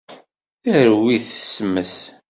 Terwi s tmes.